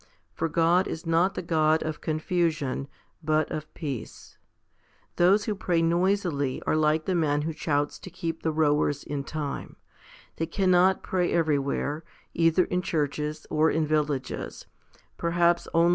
For God is not the God of confusion, but of peace. 5 Those who pray noisily are like the man who shouts to keep the rowers in time; they cannot pray everywhere, either in churches, or in villages ; perhaps only in the 1 Isa.